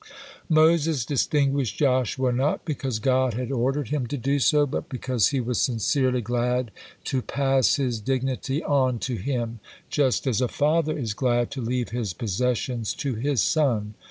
Moses distinguished Joshua not because God had ordered him to do so, but because he was sincerely glad to pass his dignity on to him, just as a father is glad to leave his possessions to his son.